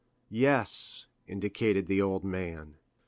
"Yes," indicated the old man.